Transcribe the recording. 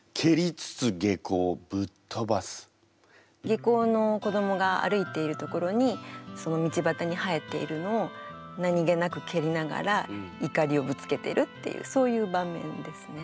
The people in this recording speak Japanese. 下校の子どもが歩いているところにその道ばたに生えているのを何気なく蹴りながら怒りをぶつけてるっていうそういう場面ですね。